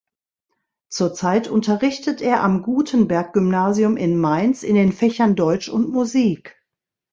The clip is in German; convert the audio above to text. Zurzeit unterrichtet er am Gutenberg-Gymnasium in Mainz in den Fächern Deutsch und Musik.